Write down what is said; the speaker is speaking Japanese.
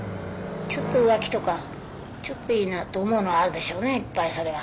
ちょっと浮気とかちょっといいなあと思うのはあるでしょうねいっぱいそれは。